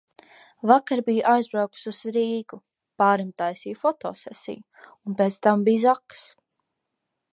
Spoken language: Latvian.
Vakar biju aizbraukusi uz Rīgu. Pārim taisīju fotosesiju un pēc tam bija zakss.